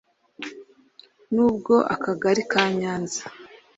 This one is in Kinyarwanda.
N ubw akagari ka nyanza